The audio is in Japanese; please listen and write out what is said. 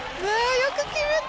よく決めた！